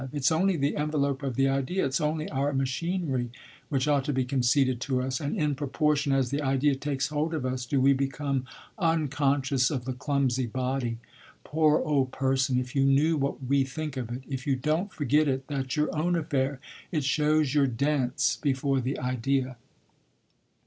It's only the envelope of the idea, it's only our machinery, which ought to be conceded to us; and in proportion as the idea takes hold of us do we become unconscious of the clumsy body. Poor old 'person' if you knew what we think of it! If you don't forget it that's your own affair: it shows you're dense before the idea."